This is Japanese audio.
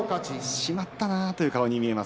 しまったなというふうに見えます